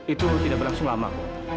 itu tidak berlangsung lama